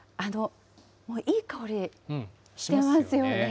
もういい香りしてますよね。